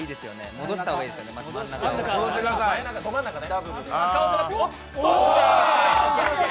戻した方がいいですよね、まず真ん中をね。